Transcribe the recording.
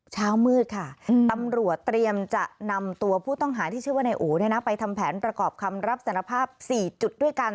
เช้ามืดค่ะตำรวจเตรียมจะนำตัวผู้ต้องหาที่ชื่อว่านายโอไปทำแผนประกอบคำรับสารภาพ๔จุดด้วยกัน